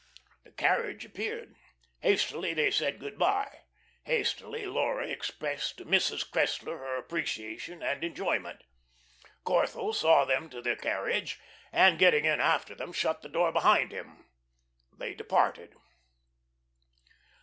The carriage appeared. Hastily they said good by; hastily Laura expressed to Mrs. Cressler her appreciation and enjoyment. Corthell saw them to the carriage, and getting in after them shut the door behind him. They departed.